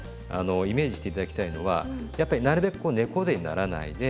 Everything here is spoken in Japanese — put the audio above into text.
イメージして頂きたいのはやっぱりなるべくこう猫背にならないで。